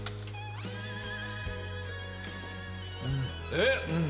えっ？